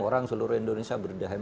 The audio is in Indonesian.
orang seluruh indonesia berdehem